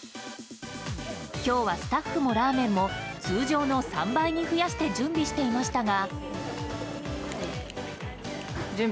今日はスタッフもラーメンも通常の３倍に増やして準備していましたが。